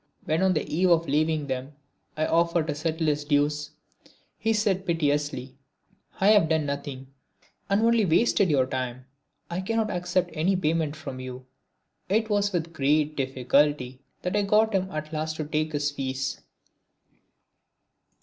When on the eve of leaving them I offered to settle his dues he said piteously: "I have done nothing, and only wasted your time, I cannot accept any payment from you." It was with great difficulty that I got him at last to take his fees.